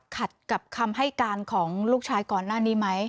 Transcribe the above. ขัดกับคำให้การของลูกชายก่อนหน้านี้ไหม